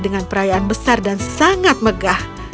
dengan perayaan besar dan sangat megah